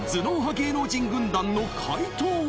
芸能人軍団の解答は？